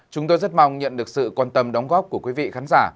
chúng tôi rất mong nhận được sự quan tâm đóng góp của quý vị khán giả